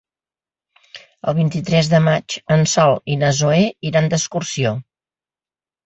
El vint-i-tres de maig en Sol i na Zoè iran d'excursió.